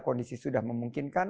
pandemi masih sudah memungkinkan